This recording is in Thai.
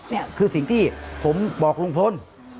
นี่คือสิ่งที่ผมบอกลุงพล